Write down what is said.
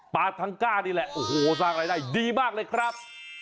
ปาทังก้านี่แหละโอ้โหสร้างรายได้ดีมากเลยครับ